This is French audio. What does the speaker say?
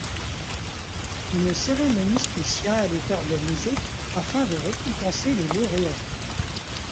Une cérémonie spéciale est organisée afin de récompenser les lauréats.